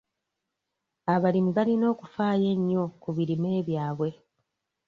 Abalimi balina okufaayo ennyo ku birime byabwe.